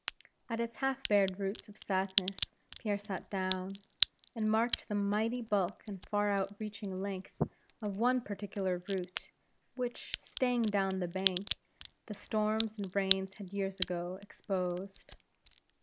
At its half bared roots of sadness, Pierre sat down, and marked the mighty bulk and far out reaching length of one particular root, which, straying down the bank, the storms and rains had years ago exposed.